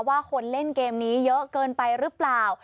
ว่าคนเล่นเกมนี้เยอะเกินไปหรือเปล่า